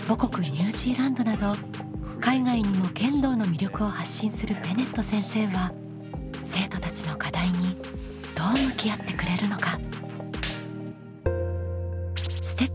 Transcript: ニュージーランドなど海外にも剣道の魅力を発信するベネット先生は生徒たちの課題にどう向き合ってくれるのか？